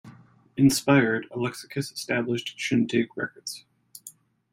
Inspired, Alexakis established Shindig Records.